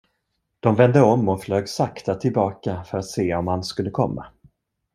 De vände om och flög sakta tillbaka för att se om han skulle komma.